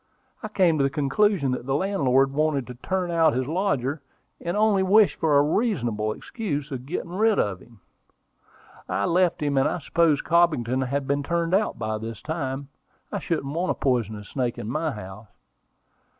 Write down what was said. I came to the conclusion that the landlord wanted to turn out his lodger, and only wished for a reasonable excuse for getting rid of him. I left him; and I suppose Cobbington has been turned out by this time. I shouldn't want a poisonous snake in my house."